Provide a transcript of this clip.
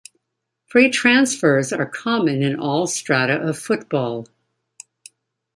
Free transfers are common in all strata of football.